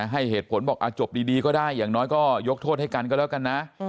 ให้เหตุผลบอกจบดีก็ได้อย่างน้อยก็ยกโทษให้กันก็แล้วกันนะ